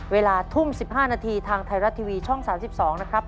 เวลาทุ่ม๑๕นาทีทางไทยรัฐทีวีช่อง๓๒นะครับ